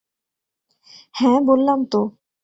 হ্যাঁ বললাম তো।